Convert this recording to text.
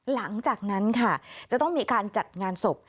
หลังจากนั้นค่ะจะต้องมีการจัดงานศพ